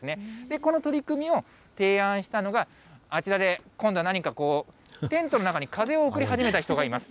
この取り組みを提案したのが、あちらで今度、何か、テントの中に風を送り始めた人がいます。